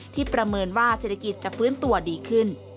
ประเมินว่าเศรษฐกิจจะฟื้นตัวดีขึ้น